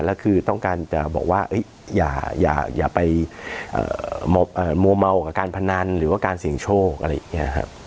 แล้วคือต้องการจะบอกว่าอย่าไปมัวเมากับการพนันหรือว่าการเสี่ยงโชคอะไรอย่างนี้ครับ